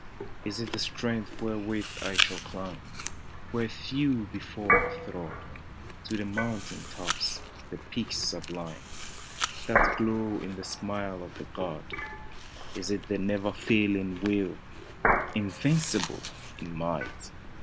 " Is it the strength wherewith I shall climb Where few before have trod — To the mountain tops, the peaks sublime That glow in the smile of the god ?" Is it the never failing will, Invincible in might.